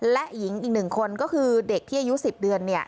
และหญิงอีก๑คนก็คือเด็กที่อายุ๑๐เดือน